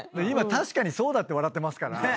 今「確かにそうだ」って笑ってますから。